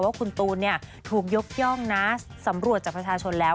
ว่าคุณตูนถูกยกย่องนะสำรวจจากประชาชนแล้ว